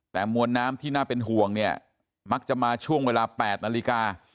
แต่มวลน้ำที่น่าเป็นห่วงเนี่ยมักจะมาช่วงเวลา๘นาฬิกา